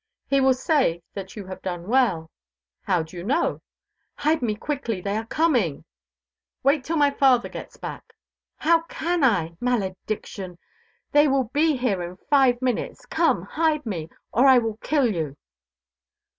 "He will say that you have done well." "How do you know?" "Hide me quickly; they are coming." "Wait till my father gets back." "How can I wait? Malediction! They will be here in five minutes. Come, hide me, or I will kill you."